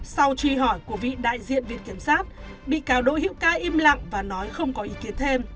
sau truy hỏi của vị đại diện viện kiểm sát bị cáo đỗ hữu ca im lặng và nói không có ý kiến thêm